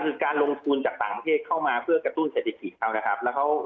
คือการลงทุนจากต่างประเทศเข้ามาเพื่อกระตุ้นเศรษฐกิจเขานะครับ